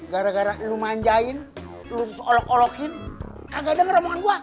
gara gara lo manjain lo terus olok olokin kagak denger omongan gue